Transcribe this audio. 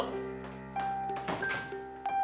mami keluar dulu